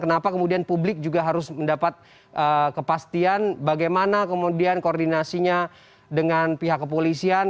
kenapa kemudian publik juga harus mendapat kepastian bagaimana kemudian koordinasinya dengan pihak kepolisian